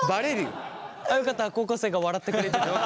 よかった高校生が笑ってくれてて。